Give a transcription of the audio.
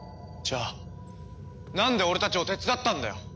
じゃあなんで俺たちを手伝ったんだよ！